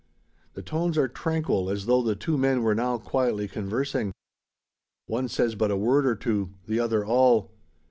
The tones are tranquil, as though the two men were now quietly conversing. One says but a word or two; the other all.